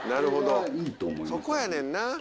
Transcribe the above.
そこやねんな。